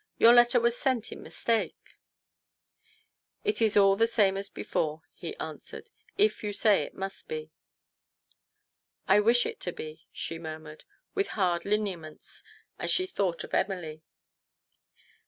Your letter was sent in mistake ?"" It is all the same as before," he answered, " if you say it must be." " I wish it to be," she murmured, with hard lineaments, as she thought of Emily.